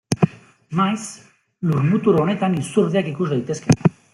Maiz, lurmutur honetan izurdeak ikus daitezke.